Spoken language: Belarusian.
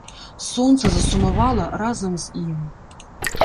Сонца засумавала разам з ім.